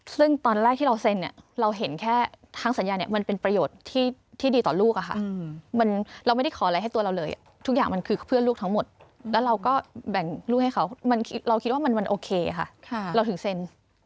ซึ่งตอนแรกที่เราเซ็นเนี่ยเราเห็นแค่ทางสัญญาเนี่ยมันเป็นประโยชน์ที่ดีต่อลูกอะค่ะเราไม่ได้ขออะไรให้ตัวเราเลยทุกอย่างมันคือเพื่อนลูกทั้งหมดแล้วเราก็แบ่งลูกให้เขาเราคิดว่ามันโอเคค่ะเราถึงเซ็น